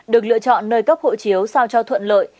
được lựa chọn nơi cấp hộ chiếu sao cho thuận lợi